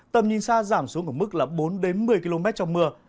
tầm nhìn xa giảm xuống ở mức bốn một mươi km trong mưa